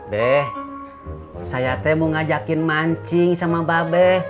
be saya mau ngajakin mancing sama mba be